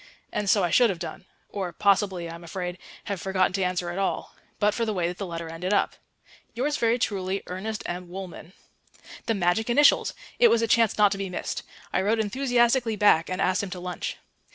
And so I should have done or possibly, I am afraid, have forgotten to answer at all but for the way that the letter ended up. "Yours very truly, ERNEST M. WOOLMAN." The magic initials! It was a chance not to be missed. I wrote enthusiastically back and asked him to lunch.